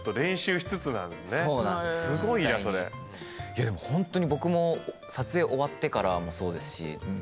いやでもほんとに僕も撮影終わってからもそうですしへえ！